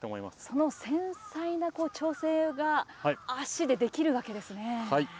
その繊細な調整が足でできるわけですね。